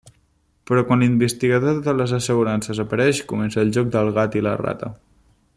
Però quan l'investigador de les assegurances apareix, comença el joc del gat i la rata.